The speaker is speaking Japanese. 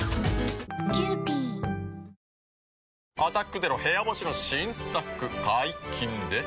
「アタックＺＥＲＯ部屋干し」の新作解禁です。